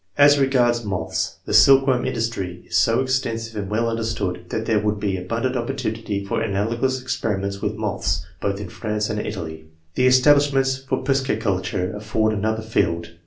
As regards moths, the silkworm industry is so extensive and well understood that there would be abund ant opportunity for analogous experiments with moths, TO THE EDITION OF 1892 both in France and Italy. The establishments for piscicul ture afford another field.